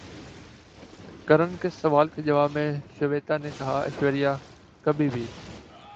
کرن کے سوال کے جواب میں شویتا نے کہا ایشوریا کبھی بھی